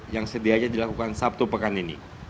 yang sedianya dilakukan sabtu pekan ini